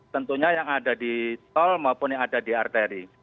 tentunya yang ada di tol maupun yang ada di arteri